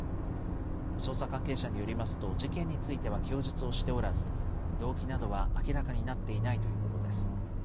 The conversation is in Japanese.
捜査関係者によりますと、事件については供述をしておらず、動機などは明らかになっていないということです。